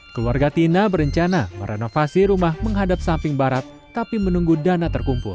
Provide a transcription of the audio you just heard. keluarga tina berencana merenovasi rumah menghadap samping barat tapi menunggu dana terkumpul